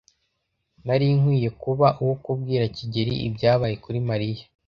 Nari nkwiye kuba uwo kubwira kigeli ibyabaye kuri Mariya.